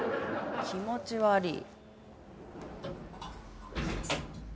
気持ち悪ぃ。